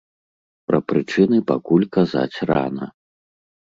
Пра прычыны пакуль казаць рана.